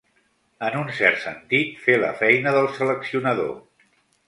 En un cert sentit, fer la feina del seleccionador.